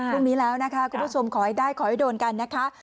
พรุ่งนี้แล้วนะคะคุณผู้ชมขอให้ได้ขอให้โดนกันนะคะ